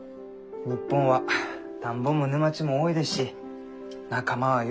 日本は田んぼも沼地も多いですし仲間はよ